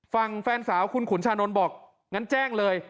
ฝั่งแฟนสาวคุณขุนชานนท์บอกงั้นแจ้งเลย